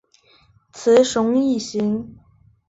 雌雄异型。